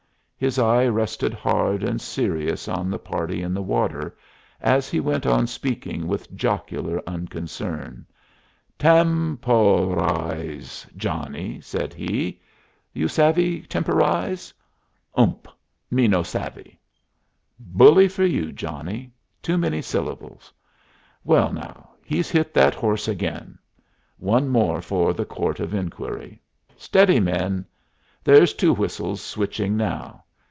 His eye rested hard and serious on the party in the water as he went on speaking with jocular unconcern. "Tem po rize, Johnny," said he. "You savvy temporize?" "Ump! Me no savvy." "Bully for you, Johnny. Too many syllables. Well, now! he's hit that horse again. One more for the court of inquiry. Steady, men! There's Two Whistles switching now.